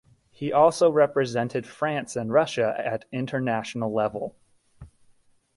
He also represented France and Russia at international level.